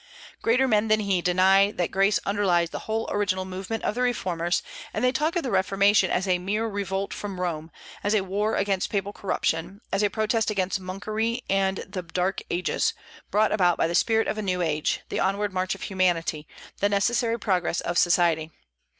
Greater men than he deny that grace underlies the whole original movement of the reformers, and they talk of the Reformation as a mere revolt from Rome, as a war against papal corruption, as a protest against monkery and the dark ages, brought about by the spirit of a new age, the onward march of humanity, the necessary progress of society.